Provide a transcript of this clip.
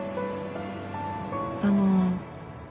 あの。